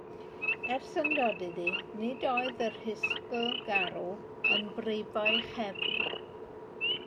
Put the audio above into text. Er syndod iddi, nid oedd y rhisgl garw yn brifo'i chefn.